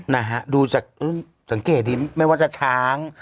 นะฮะดูจากสังเกตดินไม่ว่าจะช้าง